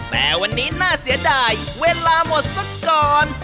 แต่วันนี้น่าเสียดายเวลาหมดสักก่อน